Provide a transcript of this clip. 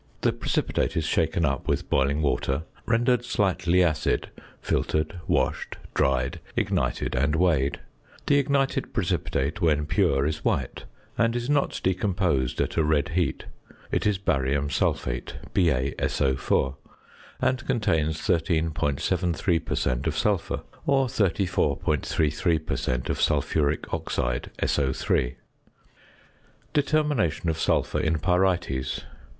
The precipitate is shaken up with boiling water, rendered slightly acid, filtered, washed, dried, ignited, and weighed. The ignited precipitate, when pure, is white, and is not decomposed at a red heat; it is barium sulphate (BaSO_), and contains 13.73 per cent. of sulphur, or 34.33 per cent. of sulphuric oxide (SO_). ~Determination of Sulphur in Pyrites.